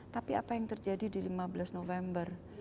tapi apa yang terjadi di lima belas november